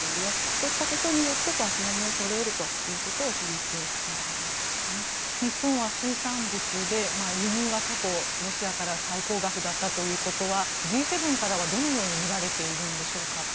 そういったことによって足並みをそろえることを日本は水産物で輸入が過去ロシアから最高額だったということはＧ７からは、どのように見られているんでしょうか？